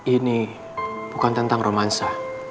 ini bukan tentang romansa